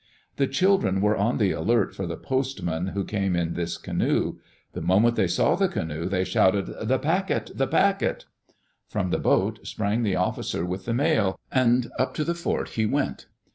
The children were on the alert for die postman who came in this canoe. The moment they saw the canoe they shouted, "The Packet! The Packet I" From the boat sprang the officer with the mail, and up to the fort he went.